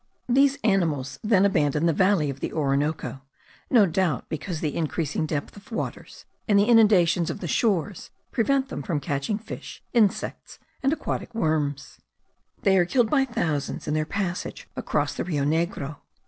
These animals then abandon the valley of the Orinoco, no doubt because the increasing depth of waters, and the inundations of the shores, prevent them from catching fish, insects, and aquatic worms. They are killed by thousands in their passage across the Rio Negro.